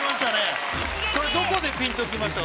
これどこでぴんときましたか？